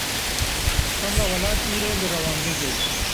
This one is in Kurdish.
Xemla Welat îro li Rewandiz e.